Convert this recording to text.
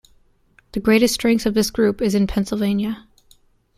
The greatest strength of this group is in Pennsylvania.